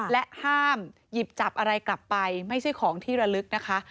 และห้ามหยิบจับอะไรกลับไปไม่ใช่ของที่ระลึกนะคะ